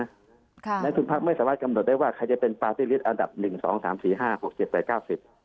ในทุกพักไม่สามารถกำหนดได้ว่าใครจะเป็นปาร์ตี้ลิตอันดับหนึ่งสองสามสี่ห้าหกเจ็ดแปดเก้าสิบ